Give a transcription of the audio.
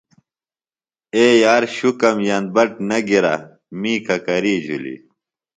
اے یار شُکم ین بٹ نہ گِرا می ککری جُھلیۡ۔